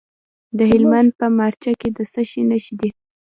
د هلمند په مارجه کې د څه شي نښې دي؟